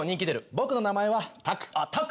僕の名前はタク。